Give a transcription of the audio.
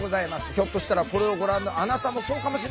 ひょっとしたらこれをご覧のあなたもそうかもしれない！